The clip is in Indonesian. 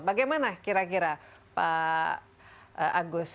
bagaimana kira kira pak agus